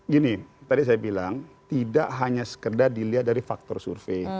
gini tadi saya bilang tidak hanya sekedar dilihat dari faktor survei